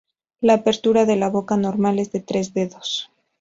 La apertura de la boca normal es de tres dedos.